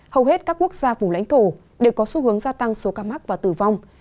hầu hết các quốc gia vùng lãnh thổ đều có xu hướng gia tăng số ca mắc và tử vong